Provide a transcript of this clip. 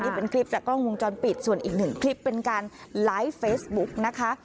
เป็นคลิปจากกล้องวงจรปิดส่วนอีกหนึ่งคลิปเป็นการไลฟ์เฟซบุ๊กนะคะ